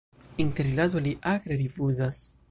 Interrilaton li akre rifuzas.